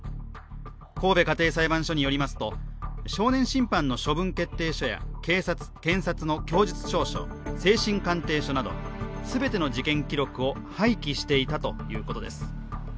神戸家庭裁判所によりますと少年審判の処分決定書や警察、検察の供述調書、精神鑑定書など、全ての事件記録を廃棄していたということです。